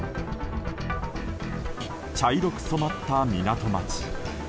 茶色く染まった港町。